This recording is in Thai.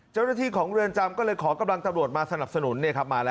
เจ้าระธิ์ของเรือนจำก็เลยขอกำลังตรวจมาสนับสนุน